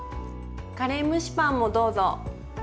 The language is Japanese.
⁉カレー蒸しパンもどうぞ！